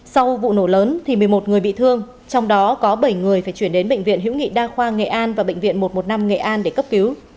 sau vụ nổ lớn thì một mươi một người bị thương trong đó có bảy người phải chuyển đến bệnh viện hữu nghị đa khoa nghệ an và bệnh viện một trăm một mươi năm nghệ an để cấp cứu